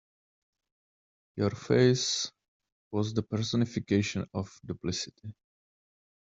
Your face was the personification of duplicity.